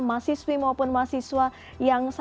mahasiswi maupun mahasiswa yang